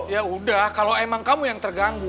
ya udah kalau emang kamu yang terganggu